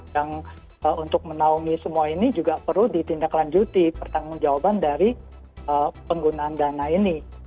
yang untuk menaungi semua ini juga perlu ditindaklanjuti pertanggung jawaban dari penggunaan dana ini